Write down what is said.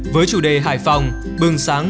với chủ đề hải phòng bừng sáng